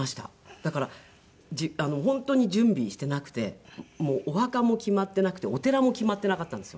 だから本当に準備していなくてお墓も決まっていなくてお寺も決まっていなかったんですよ。